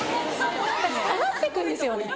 下がって行くんですよね